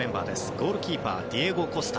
ゴールキーパーディオゴ・コスタ。